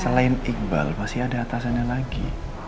selain iqbal masih ada atasannya lagi